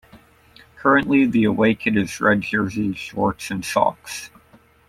Currently, the away kit is red jersey, shorts and socks.